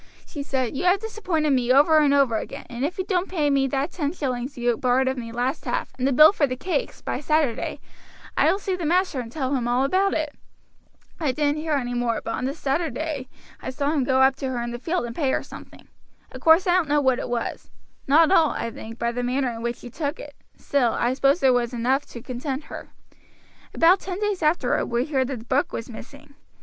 "She said, 'You have disappointed me over and over again, and if you don't pay me that ten shillings you borrowed of me last half, and the bill for the cakes, by Saturday, I will see the master and tell him all about it.' I didn't hear any more; but on the Saturday I saw him go up to her in the field and pay her something. Of course I don't know what it was; not all, I think, by the manner in which she took it; still, I suppose it was enough to content her. About ten days afterward we heard the book was missing.